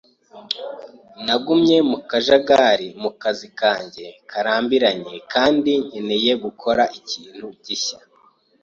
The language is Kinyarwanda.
Nagumye mu kajagari mu kazi kanjye karambiranye kandi nkeneye gukora ikintu gishya.